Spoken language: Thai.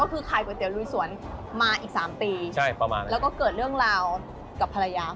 ก็คือขายก๋วยเตี๋ยวรุยสวนมาอีก๓ปีแล้วก็เกิดเรื่องราวกับภรรยา